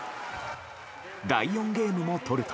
第４ゲームも取ると。